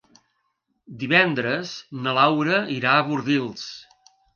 Divendres na Laura irà a Bordils.